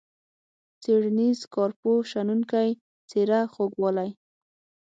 څیړنیز، کارپوه ، شنونکی ، څیره، خوږوالی.